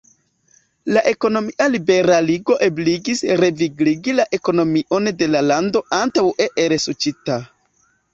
La ekonomia liberaligo ebligis revigligi la ekonomion de la lando antaŭe elsuĉita.